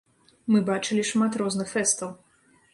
Мы бачылі шмат розных фэстаў.